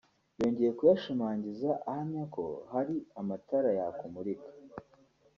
yongeye kuyashimagiza ahamya ko hari amatara yakumurika